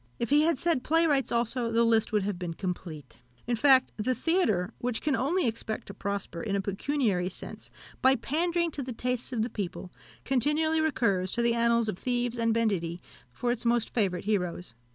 If he had said playwrights also, the list would have been complete. In fact, the theatre, which can only expect to prosper, in a pecuniary sense, by pandering to the tastes of the people, continually recurs to the annals of thieves and banditti for its most favourite heroes.